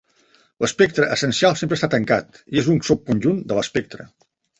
L'espectre essencial sempre està tancat i és un subconjunt de l'espectre.